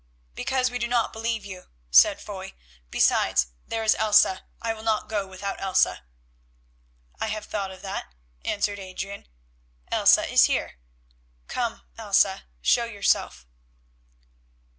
"Because we do not believe you," said Foy; "besides, there is Elsa. I will not go without Elsa." "I have thought of that," answered Adrian. "Elsa is here. Come, Elsa, show yourself."